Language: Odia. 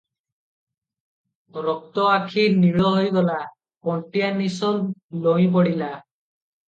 ରକ୍ତ ଆଖି ନୀଳ ହୋଇ ଗଲା- କଣ୍ଟିଆ ନିଶ ଲଇଁ ପଡ଼ିଲା ।